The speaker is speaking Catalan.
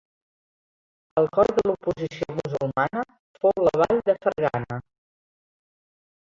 El cor de l'oposició musulmana fou la vall de Fergana.